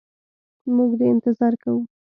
موږ دي انتظار کوو.